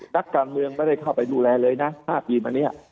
นักการเมืองไม่ได้เข้าไปดูแลเลยนะ๕ปีมาเนี่ย